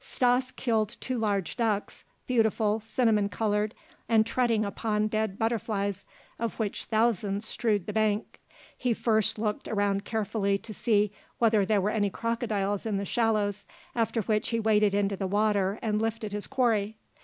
Stas killed two large ducks, beautiful, cinnamon colored, and treading upon dead butterflies, of which thousands strewed the bank, he first looked around carefully to see whether there were any crocodiles in the shallows, after which he waded into the water and lifted his quarry.